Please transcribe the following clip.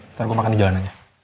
ntar gue makan di jalanannya